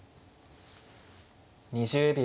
２０秒。